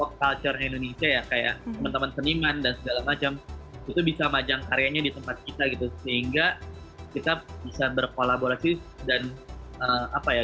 culture nya indonesia ya kayak teman teman seniman dan segala macam itu bisa majang karyanya di tempat kita gitu sehingga kita bisa berkolaborasi dan apa ya